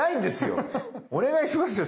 お願いしますよ